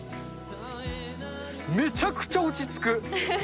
めちゃくちゃ落ち着く！